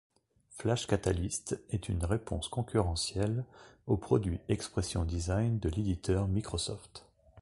Flash Catalyst est une réponse concurrentielle au produit Expression Design de l'éditeur Microsoft.